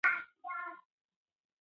د مڼې نښه په روښانه سکرین کې ځلېدله.